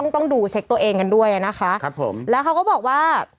ต้องดูเช็คตัวเองกันด้วยนะคะครับผมแล้วเขาก็บอกว่า